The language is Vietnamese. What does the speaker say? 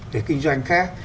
về kinh doanh khác